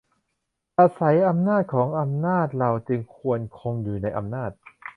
อาศัยอำนาจของอำนาจเราจึงควรคงอยู่ในอำนาจ